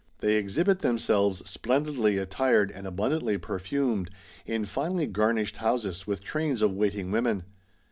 They exhibit themselves splendidly attired and abundantly perfumed, in finely garnished houses, with trains of waiting women.